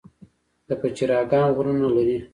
د پچیر اګام غرونه لري